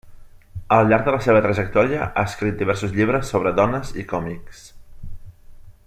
Al llarg de la seva trajectòria ha escrit diversos llibres sobre dones i còmics.